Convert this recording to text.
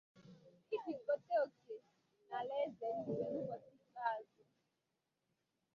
iji wee kèta òkè n'alaeze eluigwe n'ụbọchị ikpeazụ